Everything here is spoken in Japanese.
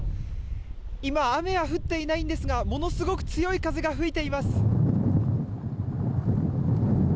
今、雨は降っていないんですがものすごく強い風が吹いています。